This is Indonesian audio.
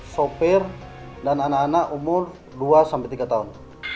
sopir dan anak anak umur dua tiga tahun